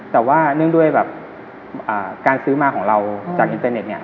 แต่ว่าเนื่องด้วยแบบการซื้อมาของเราจากอินเตอร์เน็ตเนี่ย